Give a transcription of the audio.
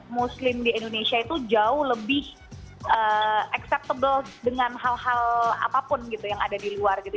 muslim di indonesia itu jauh lebih acceptable dengan hal hal apapun gitu yang ada di luar gitu